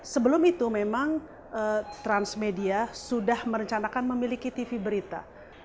sebelum itu memang transmedia sudah merencanakan memiliki tv berita